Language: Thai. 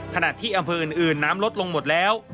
ขณะที่อำเภออื่นน้ำลดลงหมดแล้ว